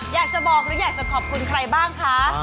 อยากจะบอกหรืออยากจะขอบคุณใครบ้างคะ